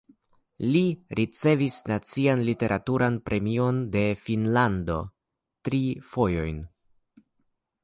Li ricevis nacian literaturan premion de Finnlando tri fojojn.